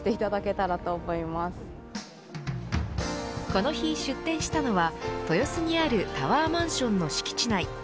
この日、出店したのは豊洲にあるタワーマンションの敷地内。